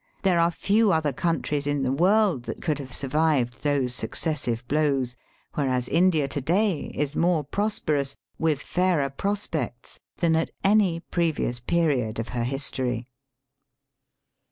There are few other countries in the world that could have survived those successive blows, whereas India to day is more prosperous, with fairer prospects, than at any previous period of her history.